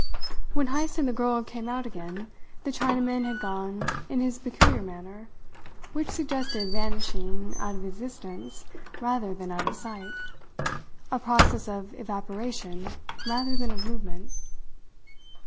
When Heyst and the girl came out again, the Chinaman had gone in his peculiar manner, which suggested vanishing out of existence rather than out of sight, a process of evaporation rather than of movement.